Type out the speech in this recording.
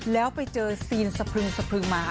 แล้วไปเจอซีนสะพึงมา